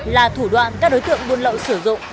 là thủ đoạn các đối tượng buôn lậu sử dụng